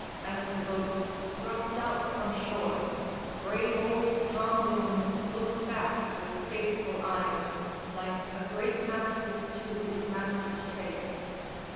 As the boats thrust out from shore Brave old Tom Moone looked back with faithful eyes Like a great mastiff to his master's face.